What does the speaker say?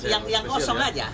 ya yang kosong saja